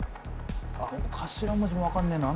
頭文字も分かんねえなあ。